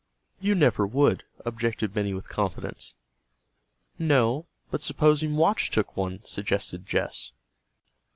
"You never would," objected Benny with confidence. "No, but supposing Watch took one," suggested Jess.